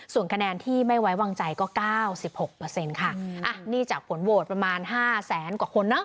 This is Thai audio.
ส่วนคะแนนที่ไม่ไว้วางใจก็เก้าสิบหกเปอร์เซ็นต์ค่ะอ่ะนี่จากผลโหวตประมาณห้าแสนกว่าคนเนอะ